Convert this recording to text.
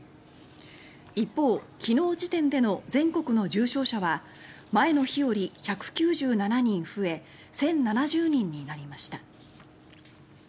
一方、昨日時点での全国の重症者は前の日より１９７人増え１０７０人になりました。